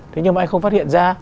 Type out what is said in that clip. thế nhưng mà anh không phát hiện ra